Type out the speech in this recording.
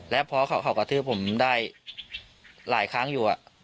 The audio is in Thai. แล้วพอเขากระทืบผมได้หลายครั้งอยู่